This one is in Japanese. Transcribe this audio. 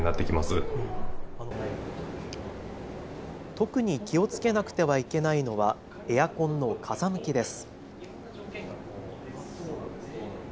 特に気をつけなくてはいけないのはエアコンの風向きです。